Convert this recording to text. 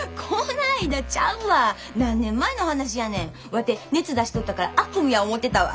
ワテ熱出しとったから悪夢や思うてたわ。